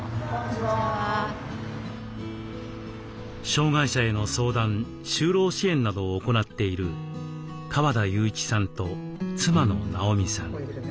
障害者への相談・就労支援などを行っている川田祐一さんと妻の直美さん。